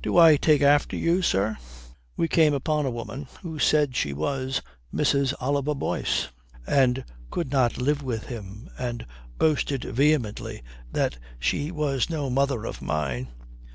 "Do I take after you, sir? We came upon a woman who said she was Mrs. Oliver Boyce and could not live with him, and boasted vehemently that she was no mother of mine."